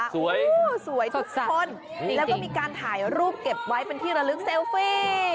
สวยสวยทุกคนแล้วก็มีการถ่ายรูปเก็บไว้เป็นที่ระลึกเซลฟี่